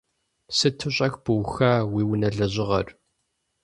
Сыту щӏэх быуха уи унэ лъэжьыгъэр.